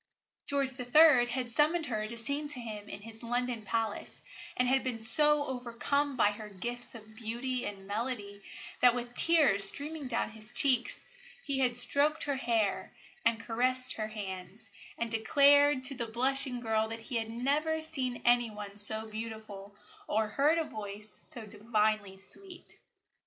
George III. had summoned her to sing to him in his London palace, and had been so overcome by her gifts of beauty and melody that, with tears streaming down his cheeks, he had stroked her hair and caressed her hands, and declared to the blushing girl that he had never seen any one so beautiful or heard a voice so divinely sweet.